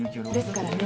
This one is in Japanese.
ですからね